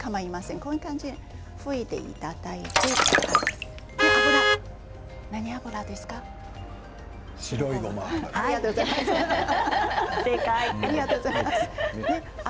こういう感じで拭いていただいて白いごま油。